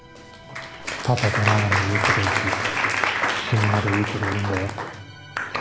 パパとママの言うことを聞いて死ぬまでい舌を鳴らす音